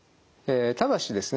ただしですね